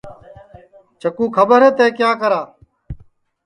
چکُو کھٻر ہے تیں کیا کرا ہے